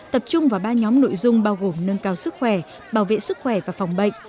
tập trung vào ba nhóm nội dung bao gồm nâng cao sức khỏe bảo vệ sức khỏe và phòng bệnh